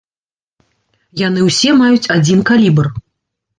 Яны ўсе маюць адзін калібр.